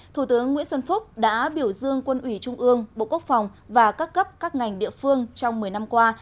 thủ tướng nguyễn xuân phúc đã biểu dương quân ủy trung ương bộ quốc phòng và các cấp các ngành địa phương trong một mươi năm qua